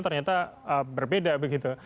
ternyata berbeda begitu